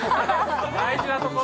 大事なところ。